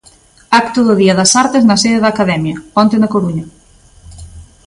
Acto do Día das Artes na sede da Academia, onte na Coruña.